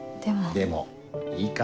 でもいいから。